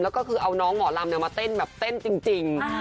แล้วก็คือเอาน้องหมอลำมาเต้นแบบเต้นจริง